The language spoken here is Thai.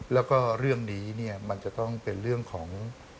แล้วก็เรื่องนี้มันจะต้องเป็นเรื่องของ